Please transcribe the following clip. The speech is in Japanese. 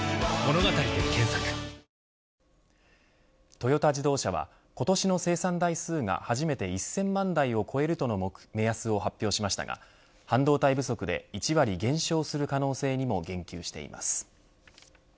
トヨタ自動車は今年の生産台数が初めて１０００万台を超えるとの目安を発表しましたが半導体不足で１割減少する可能性にも言及しています。